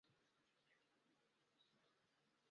这种分类传统至今仍被沿用。